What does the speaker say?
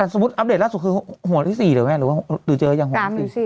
สมมุติอัพเดทล่าสุดคือหัวที่๔หรือเจออย่างหัวที่๔